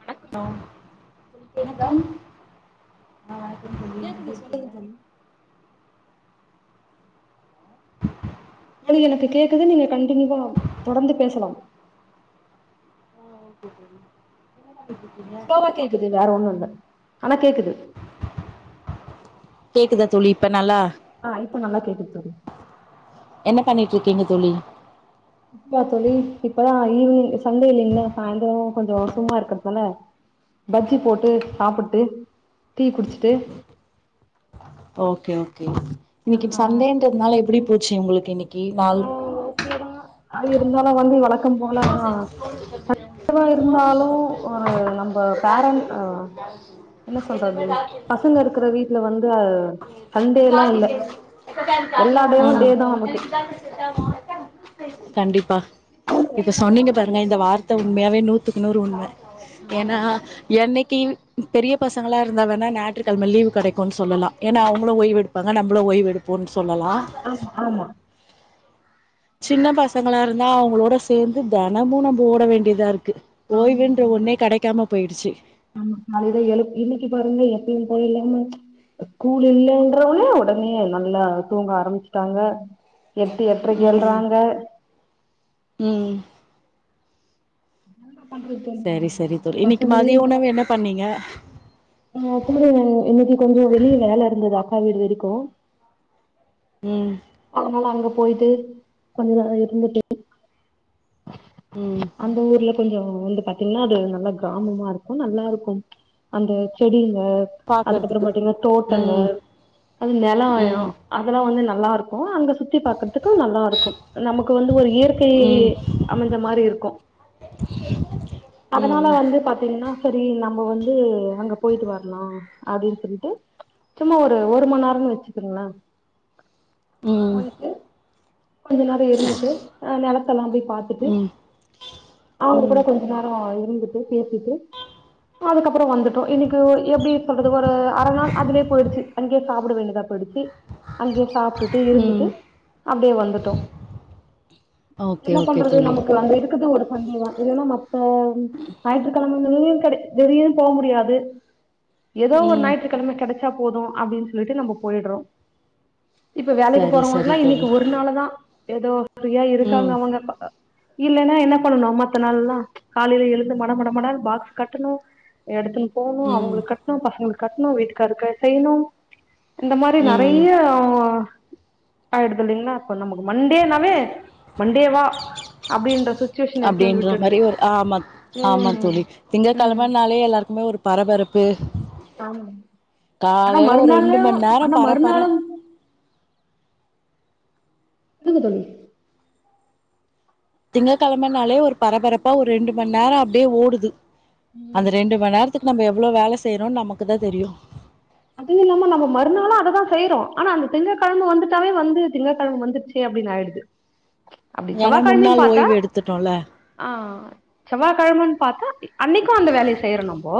வணக்கம் அ வணக்கம் தோழி எப்டி கேக்குது சொல்லுங்க இருக்கீங்க தோழி அ எனக்கு கேக்குது நீங்க கண்டினியூவா தொடர்ந்து பேசலா அ ஓகே தோழி [unintelligible] ஸ்லோவா கேக்குது வேற ஒண்ணு இல்ல ஆனா கேக்குது கேக்குதா தோழி இப்ப நல்லா ஆ இப்ப நல்ல கேக்குது தோழி என்ன பண்ணிட்டு இருக்கீங்க தோழி இப்பயா தோழி இப்பதா வந்து ஈவ் சண்டே இல்லைங்களா சாய்ந்தரம் கொஞ்சோ சும்மா இருக்கறதுனால பஜ்ஜி போட்டு சாப்பிட்டு டீ குடிச்சிட்டு ஓகே ஓகே ஆ இன்னைக்கு சண்டேன்றதுனால எப்டி போச்சு உங்களுக்கு இன்னைக்கு நாள் இரு இருந்தாலு வந்து வழக்கம் போல அதா ப்றோ இருந்தாலு ஒரு நம்ம பாரம் ஆமா என்ன சொல்றது பசங்க இருக்கற வீட்ல வந்து ம் சண்டேல்லா இல்ல எல்லா டேயு டேதா நமக்கு கண்டிப்பா இப்ப சொன்னீங்க பாருங்க இந்த வார்த்த உண்மையா வே நூத்துக்கு நூறு உண்ம ஏன்னா ஆமா என்னைக்கு பெரிய பசங்களா இருந்தா வேணா ஞாயிற்றுக்கிழம லீவு கெடைக்குன்னு சொல்லலா ஏன்னா அவுங்களு ஓய்வு எடுப்பாங்க நம்மள ஓய்வு எடுப் போன் சொல்லலா ஆமா ஆமா சின்ன பசங்களா இருந்தா அவங்களோட சேந்து தெனமு நம்ம ஓட வேண்டியதா இருக் கு ஆமா ஓய்வுன்ற ஆமா ஒன்னே கெடைக்காம போய்டுச்சு ஆமா தா எல இலக்கி பாருங்க எப்பயு போய்ருலானு ஸ்கூல் இல்லைன்றவனே ஒடனே நல்லா தூங்க ஆரம்பிச்சுட்டாங்க எட்டு எட்ரைக்கு ம் எள்றாங்க ம் என்னங்க பண்றது சொல்லுங்க. சரி சரி தோழி இன்னைக்கு பசங்களையும் மதிய உணவு என்ன பண்ணீங்க [unintelligible] இன்னைக்கி கொஞ்சோ வெளில வேல இருந்தது அக்கா வீடு வரைக்கு ம் அதனால அங்க போயிட்டு கொஞ்ச நேரோ இருந்துட்டு ம் அந்த ஊர்ல கொஞ்சோ வந்து பாத்தீங்கன்னா அது நல்ல கிராமமா இருக்கு நல்லா இருக்கு அந்த செடிங்க அதுக்கப்பற பாக்கறதுக்கு பாத்தீங்கன்னா தோட்டங்க ம் அது நில ஆயோ ம் அதெல்லா வந்து நல்லா இருக்கு அங்க சுத்தி பாக்கறதுக்கு நல்லா இருக்கு நமக்கு வந்து ஒரு இயற்கையை ம் அமஞ்ச மாரி இருக்கு அதனால ம் வந்து பாத்தீங்கன்னா செரி நம்ம வந்து அங்க போயிட்டு வர்லா அப்டின்னு சொல்லிட்டு சும்மா ஒரு மணி நேர வச்சுக்கங்களே ம் போயிட்டு கொஞ்ச நேர இருந்துட்டு அ நிலத்தல்லா அப்டி பாத்துட்டு ம் அவங்க கூட ம் கொஞ்ச நேர இருந்துட்டு பேசிட்டு அதுக்கப்பற வந்துட் இன்னைக்கு எப்டி சொல்றது ஒரு அரநாள் அதுலே போயிடுச்சு அங்கேயே சாப்ட வேண்டியதா போயிடுச்சு அங்கேயே சாப்ட்டுட்டு இருந்துட்டு ம் அப்டியே வந்துட்டோ ஓகே என்ன ஓகே பண்றது தோழி நமக்கு அங்க இருக்குது ஒரு சண்டேதா இல்லைன்னா மத்த ஞாயிற்றுக்கிழங்றது கெட வெளியு போ முடியாது எதோ ஒரு ம் ஞாயிற்றுக்கிழம கெடச்சா போது அப்டின்னு சொல்லிட்டு நம்ம போயிடுறோ இப்ப வேலைக்கி சரி சரி போறவங்கல்லா இன்னைக்கி தோழி ஒரு நாளதா ஏதோ ஃப்ரீயா இருக்காங்க ம் அவங்க இல்லைன்னா என்ன பண்ணனு மத்த நாள்ல்லா காலையில எழுந்து மட மடண்ணு பாக்ஸ் கட்டணு எடுத்துன்னு போணு ம் அவங்ளுக்கு கட்ணு பசங்களுக்கு கட்ணு வீட்டுக்காருக்கு செய்யணு இந்த மாரி ம் நெறைய ஆ வ வ ஆயிடுதில்லைங்ளா அப்போ நமக்கு மண்டே நாவே மண்டேவா அப்படின்ற சுச்சுவேஷன் எடுத்துன்னு வந்து அப்டின்ற விட்டுடுது மாரி ஒரு ஆமா ஆமா ம் தோழி திங்க ம் கிழமனாலே எல்லாருக்குமே ஒரு பரபரப்பு ஆமா ஆனா காலையில ஒரு ரெண்டு மறுநாளு மண் நேர ஆனா பரப்பர மறுநாளும் சொல்லுங்க தோழி திங்க கிழமனாலே ஒரு பரபரப்பா ஒரு ரெண்டு மண் நேர அப்டியே ஓடுது ம் அந்த ரெண்டு மண் நேரத் துக்கு நம்ம எவ்ள வேல செய்யறோம்னு நமக்கு தா தெரியு அதுவு இல்லாம நம்ம மறுநாளு அததா செய்றோ ஆனா அந்த திங்கக்கிழம வந்துட்டாவே வந்து திங்கக்கிழம வந்துருச்சு அப்டின்னு ஆயிடுது அப்டி ஏன்னா செவ்வாய்கிழமையு முன்னாள் பாத்தா ஓய்வு எடுத்துட்டோல்ல ஆ செவ்வாய் கிழமன்னு பாத்தா இ அன்னைக்கு அந்த வேலைய செய்யறோ நம்போ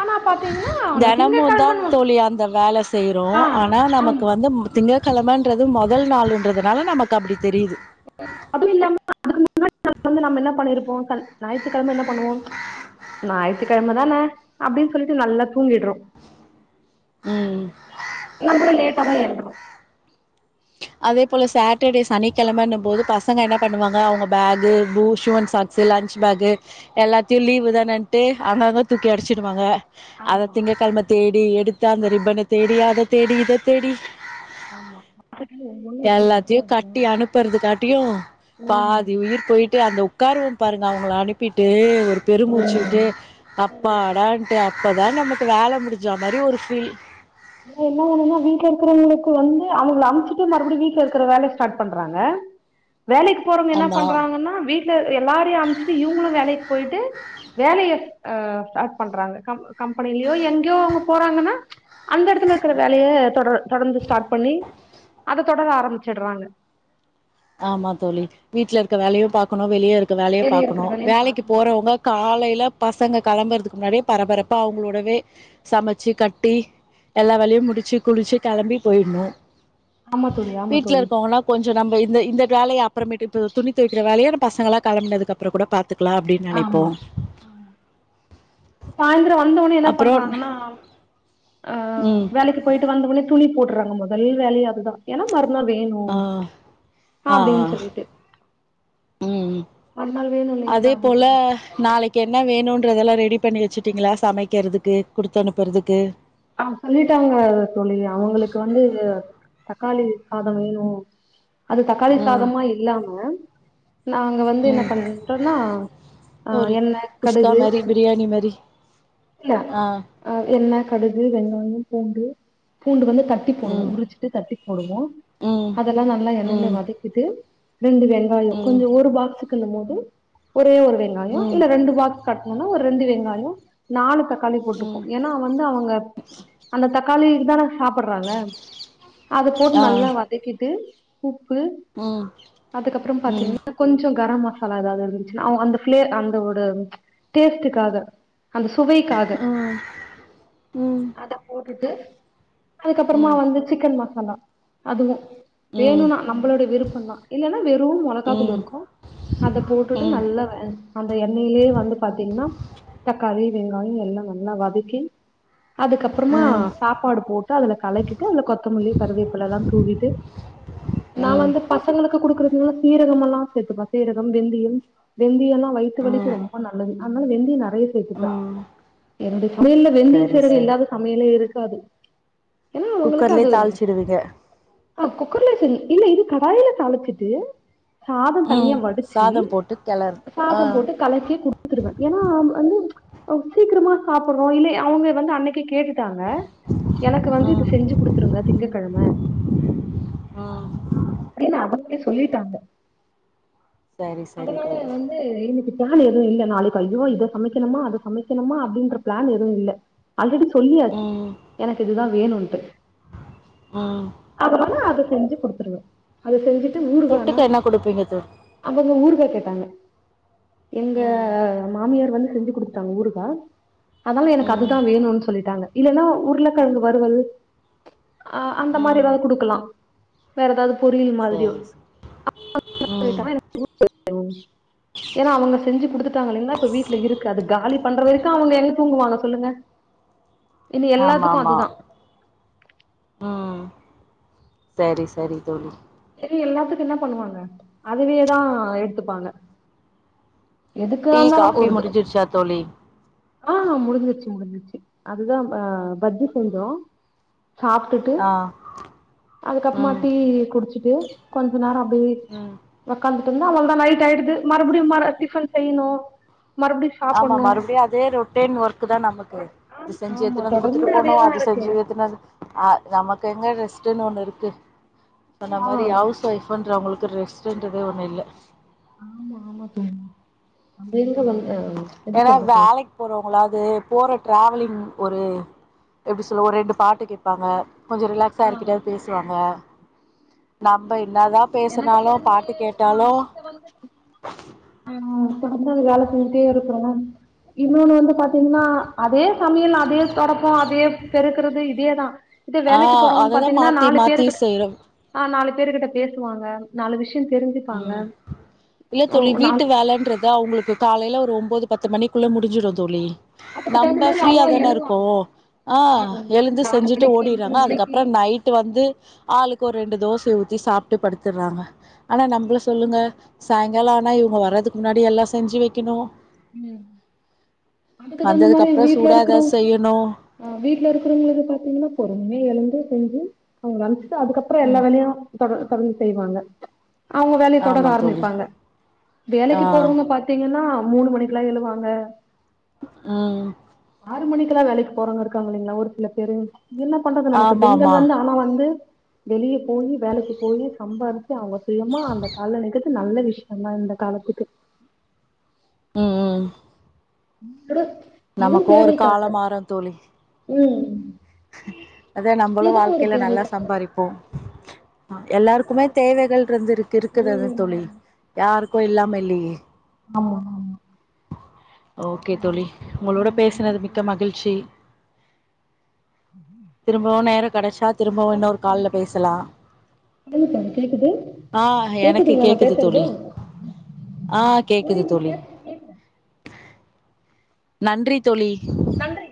ஆனா பாத்தீங்கன்னா அந்த தினமுந்தா திங்கக்கெழமன்னு தோழி அந்த வேல செய்யிறோ ஆ ஆனா நமக்கு ஆமா வந்து திங்கக் கிழமன்றது மொதல் நாள்ன்றதுனால நமக்கு அப்டி தெரியுது அதுவு இல்லாம அதுக்கு முன்னாடி வந்து நம்ம என்ன பண்ணிருப்போ ஞாயிற்றுக்கிழம என்ன பண்ணுவோ ஞாயித்துகிழம தானே அப்டின்னு சொல்லிட்டு நல்லா தூங்கிடுறோ ம் நம்மளு லேட்டா தா எழுந்துவோ அதேபோ சாட்டர்டே சனிக்கிழமன்னு போது பசங்க என்ன பண்ணுவாங்க அவுங்க bag boots shoe and sock lunch bag எல்லாத்தையு லீவு தானேன்ட்டு அங்கங்க தூக்கி அடிச்சிடுவாங்க ஆமா அத திங்ககிழம தேடி எடுத்து அந்த ரிப்பன தேடி அத தேடி இத தேடி ஆமா அதுக்குனு [unintelligible] எல்லாத்தையு கட்டி அனுப்புறதுக்காட்டியு பாதி உயிர் போயிட்டு அந்த உக்காருவோ பாருங்க அவங்கள அனுப்பிட்டு ஒரு பெரு ஆமா ஆனா மூச்சுவிட்டு அப் அப்படான்ட்டு அப்பதா நமக்கு வேல முடிஞ்ச மாரி ஒரு ஃபீல் இதுல என்ன ஒண்ணுனா வீட்ல இருக்கிறவங்களுக்கு வந்து அவுங்கள அம்ச்சுட்டு மறுபடியு வீட்ல இருக்கற வேலைய ஸ்டார்ட் பண்றாங்க வேலைக்கு போறவங்க என்னா ஆமா பண்றாங்கன்னா வீட்ல எல்லாரையு அம்ச்சுட்டு இவங்களு வேலைக்கு போயிட்டு வேலைய அ ஸ்டார்ட் பண்றாங்க க கம்பெனிலயோ எங்கயோ அவங்க போறாங்கன்னா அந்த எடத்துல இருக்கற வேலைய தொடர் தொடந்து ஸ்டார்ட் பண்ணி அத தொடர ஆரம்பிச்சிர்றாங்க ஆமா தோழி வீட்ல இருக்க வேலயு பாக்கணு வெளிய இருக்க வேலையு வெளிய இருக்கிற பாக்கணு வேலையு வேலைக்கு பாக்கணு போறவங்க காலைல பசங்க கெளம்பறதுக்கு முன்னாடியே பரபரப்பா அவங்களோடவே சமைச்சு கட்டி எல்லா வேலையு முடிச்சு குளிச்சு கிளம்பி போயிட்ணு ஆமா தோழி ஆமா வீட்ல தோழி இருக்கவங்கன்னா கொஞ்ச நம்ம இந்த இந்த வேலைய அப்பறமேட்டு துணி தொவைக்கிற வேலைய பசங்களா கெளம்பனதுக்கு அப்பறோ கூட பாத் துக்லா அப்டின் நெனைப்போ ஆமா சாயந்தர வந்தவுன்னே என்ன அப்புறோ பண்றாங்கன்னா அ ம். வேலைக் கு போயிட்டு வந்தவுன்னே துணி போட்றாங்க மொதல் வேலையே அதுதா ஏனா மறுநாள் வேணு ஆ. ஆ. அப்டின் சொல்லிட்டு ம் ம் மறுநாள் வேணு அதே இல்லைங்களா போல ஒரு நாளைக் கு என்ன வேணுன்றதெல்லா ரெடி பண்ணி வச்சுட்டிங்களா சமைக்கிறதுக்கு குடுத்து அனுப்பறதுக்கு அவ் சொல்லிட்டாங்க தோழி அவுங்களுக்கு வந்து தக்காளி சாத வேணு அது தக்காளி ம். சாதமா இல்லாம நாங்க வந்து என்ன ம் பண்றோனா அ ஒரு எண்ணெ குஸ்கா கடுகு மாரி பிரியாணி மாரி இல்ல ஆ அ எண்ணெ கடுகு வெங்காயோ பூண்டு பூண்டு வந்து த ட்டி போடுவோ ம் உரிச்சிட்டு தட்டி போடுவோ ம் அதல்லா நல்லா எண்ணெயில ம் வதக்கிட்டு ரெண்டு வெங் காயோ கொஞ்ச ம் ஒரு பாக்ஸ்க்குனும் போது ஒரே ஒரு வெங்காயோ ம் ம் இல்ல ரெண்டு பாக்ஸ் கட்ணுனா ஒரு ரெண்டு வெங்காயோ நாலு தக்காளி போட்டுப்போ ஏன்னா வந்து அவுங்க அந்த தக்காளிக்கு தான சாப்பர்றாங்க அது போட்டு ஆ நல்லா வத க்கிட்டு உப்பு ம் அதுக்கப்றோ ம் ம் பாத்திங்னா கொஞ்சோ கரம் மசாலா ஏதாவது இருந்துச்சுனா அந்த ஃபிளே அந்த ஒரு டேஸ்ட்டுக்காக அந்த சுவைக்காக ம் ம் ம் ம் அத போட்டுட்டு அதுக்கப்பறமா ம் வந்து சிக்கன் மசாலா அதுவு வேணுனா நம்மளோட விருப்பந்தா இல்லன்னா வெறு மொளகா தூள் இருக்கு அத போட்டுட்டு ம் ம் நல்லா வெ அந்த எண்ணெலயே வந்து பாத்தீங்னா தக்காளி வெங்காயோ எல்லா நல்லா வதக்கி அதுக்கப்பறமா சாப்பாடு போட்டு அதுல கலக்கிட்டு அதுல கொத்தமல்லி கருவேப்பிலல்லா தூவிட்டு நா ம் வந்து பசங்களுக்கு குடுக்கறதுனால சீரகமல்லா சேத்துப்ப சீரகம் வெந்தியம் வெந்தியல்லா வயித்து வலிக்கு ரொம்ப நல்லது அதனால வெந்திய நெறைய சேத்துப்ப ம் என்னுடைய சமயல்ல வெந்திய சரி சீரக சரி இல்லாத சமையலே இருக்காது ஏன்னா அவுங்களுக்கு குக்கர்லயே அது தாளிச்சிடுவீங்க ஆ குக்கர்லே சரி இல்ல இது கடாயில தாளிச்சிட்டு சாதம் ம் தனியா வடிச்சு சாதம் போட்டு கெளறு ஆ சாதம் போட்டு கலக்கி குடுத்துருவே ஏனா வந்து அவுங் சீக்கிரமா சாப்பர்றோ இல்லை அவுங்க வந்து அன்னைக்கே கேட் டாங்க எனக்கு வந்து ம் இது செஞ்சு குடுத்துருங்க திங்க கெழம ஆ அப்டினு அவுங்களே சொல்லிட்டாங்க சரி சரி அதனால தோழி வந்து க்கு இன்னைக்கு பிளான் எது இல்ல நாளைக்கு அய்யோ இத சமைக்கணுமா அத சமைக்கணுமா அப்டின்ற பிளான் எது இல்ல ஆல்ரெடி சொல்லியாச்சு ம் எனக்கு இதுதா வேணும்ன்ட்டு ஆ அதனால அத செஞ்சு குடுத்துருவே அத செஞ்சுட்டு ஊருகானா தொட்டுக்க என்ன குடுப்பீங்க தோழி அவங்க ஊருகா கேட்டாங்க எங்க ம் மாமியார் வந்து செஞ்சு குடுத்துட்டாங்க ஊருகா அதனால எனக்கு ம் அதுதா வேணும்னு சொல்லிட்டாங்க இல்லன்னா உருளக்கெழங்கு வருவல் அ அந்த மாரி ம் ஏதாவது குடுக்கலா வேற ஏதாவது பொரியல் மாதிரியோ சரி [inaudible] சரி [unintelligible] ம் ஏன்னா அவங்க [inaudible] ஏன்னா அவங்க செஞ்சு குடுத்துட்டாங்க இல்லிங்கலையா இப்ப வீட்ல இருக் காது காலி பண்ற வரைக்கு அவங்க எப்டி தூங்குவாங்க சொல்லுங்க ஏன எல்லாத்துக்கு அதுதா ஆ சரி சரி தோழி ஏ எல்லாத்துக்கு என்ன பண்ணுவாங்க அதுவேதா எடுத்துப்பாங்க எதுக்காருந்தாலு ஒருது ச்சா தோழி ஆ முடிஞ்சிருச்சு முடிஞ்சிருச்சு அதுதா அ பஜ்ஜி செஞ்சோ ம் சாப் போட்டு ஆ அதுக்கப்பமா ம் டீ குடிச்சுட்டு கொஞ்ச நேர அப்டியே ம் ஒக்காந்துட்டோம்னா அவளதா நைட் ஆயிடுது மறுபடியு மாறா டிஃபன் செய்யணு மறுபடியு ஆமா சாப்புட்ணு மறுபடியு அதே ரொட்டேன் ஒர்க்குதா நமக் இது ஆமா செஞ்சு ஆமா எத்துனு வந்து குத்துட்டு தொடர்ந்து போனு அதேதா அது இருக்கு செஞ்சு எத்துனு வந் அ நமக்கு எங்க ரெஸ்ட்டுன்னு ஒண்ணு இருக்கு சொன்ன ஆ மாரி ஹவுஸ் ஒய்ஃப் பண்றவங்களுக்கு ரெஸ்ட்ன்றதே ஒன்னுல்ல ஆமா ஆமா தோழி எங்க வந்து எப்டி சொல்றது போறாங்களா அது போற டிராவலிங் ஒரு எப்டி சொல்ல ஒரு ரெண்டு பாட்டு கேட் பாங்க கொஞ்சம் ரிலாக்ஸா ஆ யாருகிட்டயாவது பேசுவாங்க நம்ம என்னாதான் எனக்கு தெரிஞ்சு அ வீட்ல வந்து ஆ தொடர்ந்து அது வேல செஞ்சிக்கிட்டே இருக்றோ இன்னொன்னு வந்து பாத்தீங்கன்னா அதே சமையல் அதே தொடப்ப அதே பெருக்குறது இதேதா இத ஆ வேலைக்கு போறோங்கன்னு அததா பாத்தீங்கன்னா மாத்தி நாலு பேரு மாத்தி கிட்ட செய்றோ ஆ நாலு பேரு கிட்ட பேசுவாங்க நாலு விஷய தெரிஞ்சு ம் இல்ல தோழி வீட்டு வேலன்றது அவங்களுக்கு காலையில ஒரு ஒம்போது பத்து மணிக்குள்ள முடிஞ்சிடு தோழி அதுக்கு தகுந்த நம்ம மாரி ஃப்ரீயா அவங்களு தான எழுவாங்க இருக்கோ ஆ எழுந்து நாலு செஞ்சுட்டு மணிக்கு மூணு ஓடிறாங்க மணிக்கு அதுக்கப்பறம் நைட்டு வந்து ஆளுக்கு ஒரு ரெண்டு தோசையை ஊத்தி சாப்ட்டு படுத்துடுறாங்க ஆனா நம்மள சொல்லுங்க சாயங்காலா ஆனா இவங்க வர்றதுக்கு முன்னாடி எல்லா செஞ்சு வைக்கணு ம் அதுக்கு தகுந்த வந்ததுக்கு மாரி அப்புற வீட்ல சூடா இருக்கிறோ ஏதாவது செய்யணு ஆ வீட்ல இருக்கிறவங்களுக்கு பாத்தீங்கன்னா பொறுமையா எழுந்து செஞ்சு அவங்க அமிச்சிட்டு அதுக்கப்பற எல்லா வேலையு தொடர் தொடந்து செய்வாங்க அவங்க வேலையை தொடர ஆமா தோழி ஆரம்பிப்பாங்க ஆ வேலைக்கு போறவங்க பாத் பாத்தீங்கன்னா மூணு மணிக்குல்லா எழுவாங்க ம் ஆறு மணிக்குல்லா வேலைக்கு போறவங்க இருக்காங்க இலைங்களா ஒரு சில பேரு என்ன பண்றது நமக்கு ஆமா பெண்கள் ஆமா வந்து ஆனா வந்து வெளியே போய் வேலைக்கு போய் சம்பாதிச்சு அவங்க சுயமா அந்த கால்ல நிக்கத் நல்ல விஷயந்தா இந்த காலத்துக்கு ம் ம் உடு எதுவு நமக்கு ஒரு தேவைக்காக காலம் மாறு ம் அதே நம்பளு ஏதோ ஒரு வாழ்க்கையில நல்லா தேவைக்காக சம்பாரிப்போம் எல்லாருக்குமே தேவைகள் இருந்துருக்கு இருக்குது அது ம் தோழி யாருக்கு இல்லாம இல்லையே ஆஹ ஓகே தோழி உங்களோட ம் சொல்லுங்க பேசுனது மிக்க தோழி மகிழ்ச்சி திரும்பவு நேரோ கெடைச்சா திரும்பவு இன்னொரு சொல்லுங்க தோழி கால்ல கேக்குது பேசலா சொல்லுங்க தோழி கேக்குது ஆ எனக்கு கேக்குதுங்களா நா கேக்குது பேசுறது தோழி ஆ கேக்குது நீங்க தோழி பேசுறது நன்றி தோழி நன்றி